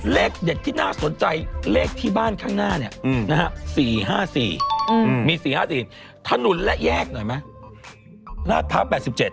เลขเด็ดที่น่าสนใจเลขที่บ้านข้างหน้าเนี่ยนะฮะ๔๕๔มี๔๕๔ถนนและแยกหน่อยไหมลาดพร้าว๘๗